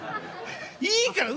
いいから」。